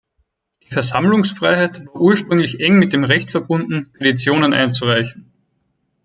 Die Versammlungsfreiheit war ursprünglich eng mit dem Recht verbunden, Petitionen einzureichen.